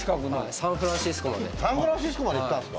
サンフランシスコまで行ったんですか？